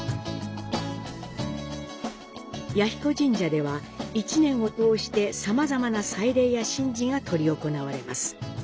彌彦神社では、１年を通して様々な祭礼や神事が執り行われます。